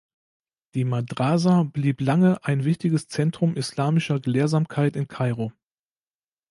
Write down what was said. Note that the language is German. Die Madrasa blieb lange ein wichtiges Zentrum islamischer Gelehrsamkeit in Kairo.